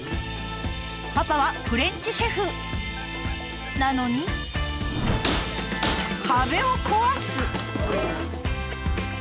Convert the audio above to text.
パパはフレンチシェフなのに壁を壊す。